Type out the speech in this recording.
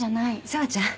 紗和ちゃん。